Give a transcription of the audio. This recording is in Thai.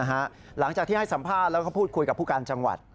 หลังจากที่ให้สัมภาษณ์แล้วก็พูดคุยกับผู้การจังหวัด